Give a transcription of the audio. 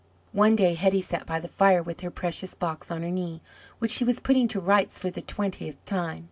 One day Hetty sat by the fire with her precious box on her knee, which she was putting to rights for the twentieth time.